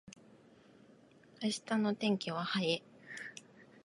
明日の天気は晴れ。